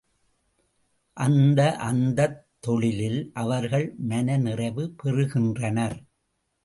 அந்த அந்தத் தொழிலில் அவர்கள் மனநிறைவு பெறுகின்றனர்.